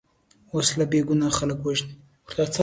وسله بېګناه خلک وژني